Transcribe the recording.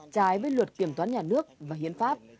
trái với luật kiểm toán nhà nước và hiến pháp